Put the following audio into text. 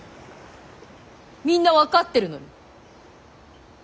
みんな分かってるのに。